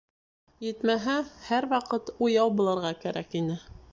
Етмәһә, һәр ваҡыт уяу булырға кәрәк ине.